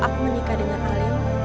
aku menikah dengan alim